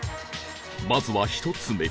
まずは１つ目